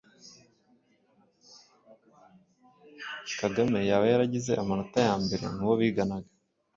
Kagame yaba yaragize amanota ya mbere mu bo biganaga